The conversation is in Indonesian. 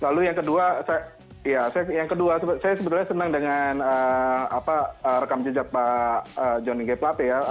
lalu yang kedua saya sebetulnya senang dengan rekam jejak pak joni g plate ya